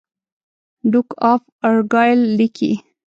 ډوک آف ارګایل لیکي.